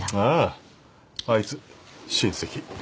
あああいつ親戚。